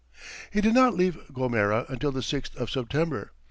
He did not leave Gomera until the 6th of September.